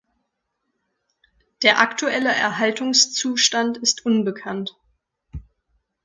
Der aktuelle Erhaltungszustand ist unbekannt.